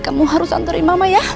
kamu harus anterin mama ya